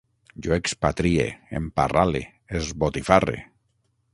Jo expatrie, emparrale, esbotifarre